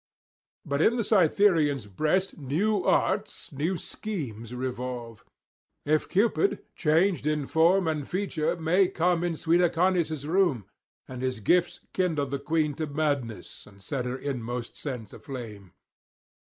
But in the Cytherean's breast new arts, new schemes revolve; if Cupid, changed in form and feature, may come in sweet Ascanius' room, and his gifts kindle the queen to madness and set her inmost sense aflame.